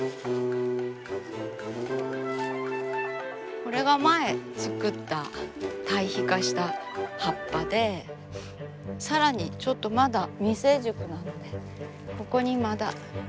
これが前作った堆肥化した葉っぱでさらにちょっとまだ未成熟なのでここにまだ重ねて作っていきます。